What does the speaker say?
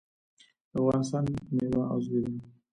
د افغانستان میوه عضوي ده